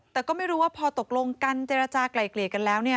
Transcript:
แต่ก็ไม่รู้ว่าพอตกลงกันเจรจากลายเกลี่ยกันแล้ว